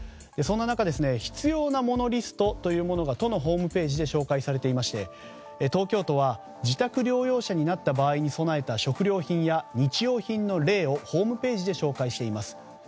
そんな中必要なものリストというものが都のホームページで紹介されていまして東京都は自宅療養者になった場合に備えた食料品や日用品の例をホームページで紹介しています。